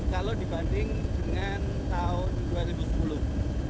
kalau dibanding dengan tahun dua ribu sepuluh